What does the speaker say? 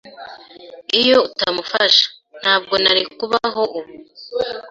Iyo atamufasha, ntabwo nari kubaho ubu.